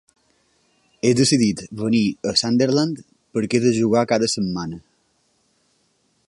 He decidit venir a Sunderland perquè he de jugar cada setmana.